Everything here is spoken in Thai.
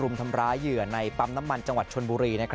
รุมทำร้ายเหยื่อในปั๊มน้ำมันจังหวัดชนบุรี